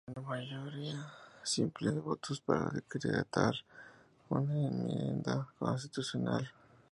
Se requiere una mayoría simple de votos para decretar una enmienda constitucional.